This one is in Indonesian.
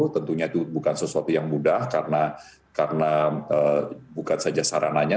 tentunya itu bukan sesuatu yang mudah karena bukan saja sarananya